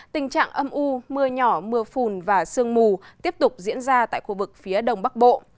tình trạng âm u mưa nhỏ mưa phùn và sương mù tiếp tục diễn ra tại khu vực phía đông bắc bộ